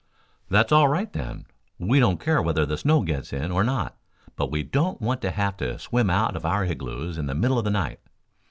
"That's all right, then. We don't care whether the snow gets in or not, but we don't want to have to swim out of our Ighloos in the middle of the night.